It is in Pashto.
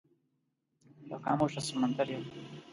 یو خاموشه سمندر یم